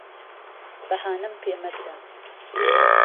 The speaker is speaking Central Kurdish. بههانەم پێ مهگره